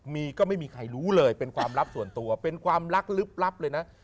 มีก็ไม่มีใครรู้เลยเป็นความลับส่วนตัวเป็นความลับลึกลับเลยนะ